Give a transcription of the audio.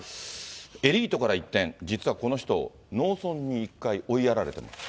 エリートから一転、実はこの人、農村に一回追いやられてるんです。